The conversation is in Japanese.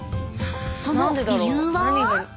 ［その］